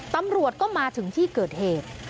ตำรวจก็มาถึงที่เกิดเหตุ